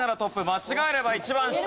間違えれば一番下。